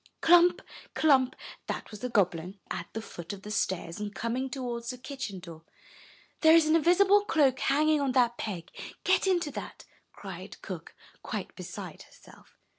319 M Y BOOK HOUSE Clump! clump! That was the goblin at the foot of the stairs, and coming towards the kitchen door. * 'There is an invisible cloak hanging on that peg. Get into that/' cried cook, quite beside herself.